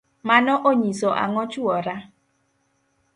mano onyiso ang'o chuora?